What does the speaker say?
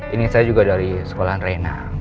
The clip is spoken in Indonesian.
ini saya juga dari sekolahan reina